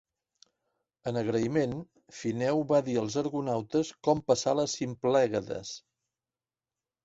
En agraïment, Fineu va dir als argonautes com passar les Simplègades.